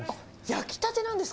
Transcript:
焼きたてなんですか？